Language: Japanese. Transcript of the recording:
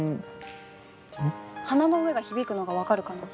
鼻の上が響くのが分かるかな？